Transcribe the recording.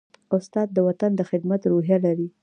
استاد د وطن د خدمت روحیه لري.